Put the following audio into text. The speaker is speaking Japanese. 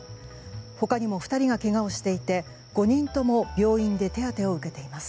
他にも２人がけがをしていて５人とも病院で手当てを受けています。